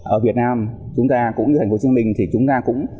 ở việt nam chúng ta cũng như thành phố hồ chí minh thì chúng ta cũng